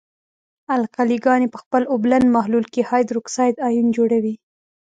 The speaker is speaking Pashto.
القلې ګاني په خپل اوبلن محلول کې هایدروکساید آیون جوړوي.